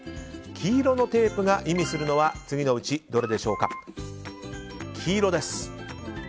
黄色のテープが意味するのは次のうちどれでしょうか。